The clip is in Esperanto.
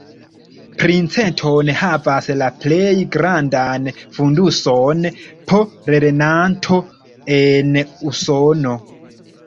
Princeton havas la plej grandan fonduson po lernanto en Usono.